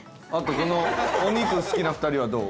お肉好きな２人はどう？